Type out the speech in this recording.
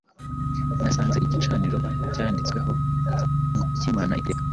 nasanze igicaniro cyanditsweho ngo ‘icyimana itegeka’